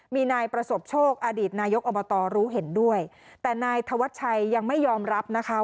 มีนายประสบโชคอดีตนายกอบตรู้เห็นด้วยแต่นายธวัชชัยยังไม่ยอมรับนะคะ